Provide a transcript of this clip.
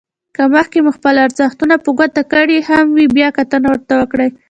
که مخکې مو خپل ارزښتونه په ګوته کړي هم وي بيا کتنه ورته وکړئ.